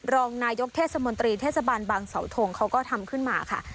รองนายกเทศมนตรีเทศบาลบางเสาทงเขาก็ทำขึ้นมาค่ะ